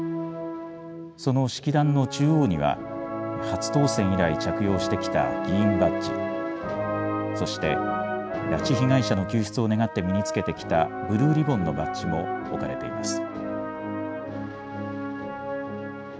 その式壇の中央には、初当選以来着用してきた議員バッジ、そして拉致被害者の救出を願って身につけてきたブルーリボンのバッジも置かれています。